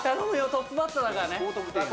トップバッターだからねさあ